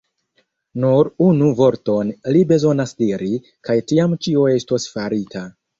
Nur unu vorton li bezonas diri, kaj tiam ĉio estos farita.